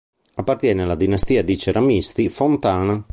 Appartiene alla dinastia di ceramisti Fontana.